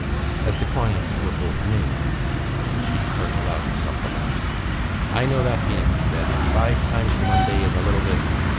As the clients were both male the chief clerk allowed himself a laugh. "I know that game," he said. "Five times in one day is a little bit....